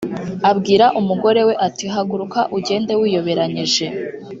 abwira umugore we ati haguruka ugende wiyoberanyije